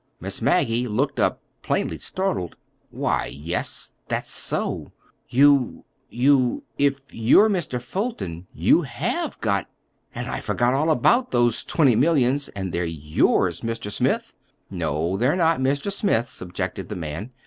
Miss Maggie looked up, plainly startled. "Why, yes, that's so. You—you—if you're Mr. Fulton, you have got—And I forgot all about—those twenty millions. And they're yours, Mr. Smith!" "No, they're not Mr. Smith's," objected the man.